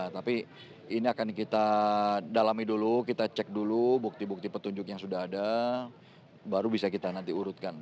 tapi ini akan kita dalami dulu kita cek dulu bukti bukti petunjuk yang sudah ada baru bisa kita nanti urutkan